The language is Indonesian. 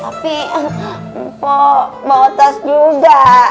nanti mpok bawa tas juga